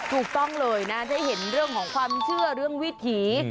ถูกต้องเลยนะได้เห็นเรื่องของความเชื่อเรื่องวิถี